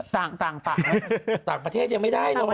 ต่างประเทศยังไม่ได้หรอก